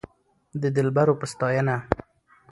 د دلبرو په ستاينه